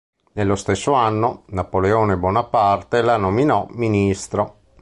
Nello stesso anno, Napoleone Bonaparte la nominò ministro.